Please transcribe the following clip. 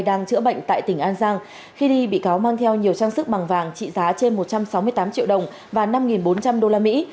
đang chữa bệnh tại tỉnh an giang khi đi bị cáo mang theo nhiều trang sức bằng vàng trị giá trên một trăm sáu mươi tám triệu đồng và năm bốn trăm linh đô la mỹ